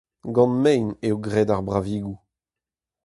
Gant maen eo graet ar bravigoù.